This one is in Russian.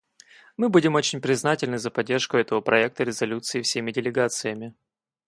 Мы будем очень признательны за поддержку этого проекта резолюции всеми делегациями.